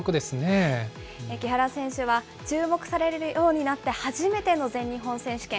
木原選手は、注目されるようになって初めての全日本選手権。